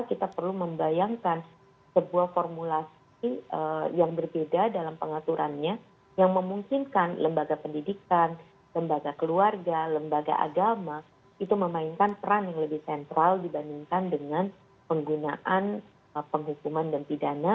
kita perlu membayangkan sebuah formulasi yang berbeda dalam pengaturannya yang memungkinkan lembaga pendidikan lembaga keluarga lembaga agama itu memainkan peran yang lebih sentral dibandingkan dengan penggunaan penghukuman dan pidana